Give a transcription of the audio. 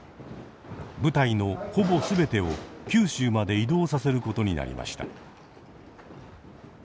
部隊のほぼ全てを九州まで移動させることになりました。